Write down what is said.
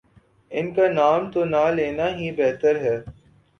ان کا نام تو نہ لینا ہی بہتر ہے۔